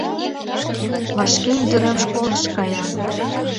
Вашке ӱдырем школыш кая.